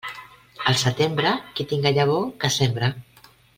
Al setembre, qui tinga llavor que sembre.